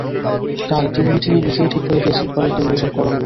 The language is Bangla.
কাল টিম মিটিংয়ে নিজেই ঠিক করে দিয়েছেন পরের দুই ম্যাচের করণীয়।